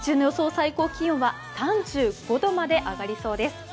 最高気温は３５度まで上がりそうです。